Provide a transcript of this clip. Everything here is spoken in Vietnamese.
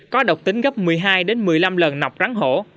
có độc tính gấp một mươi hai một mươi năm lần nọc rắn hổ